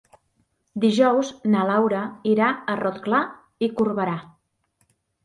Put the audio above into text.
Dijous na Laura irà a Rotglà i Corberà.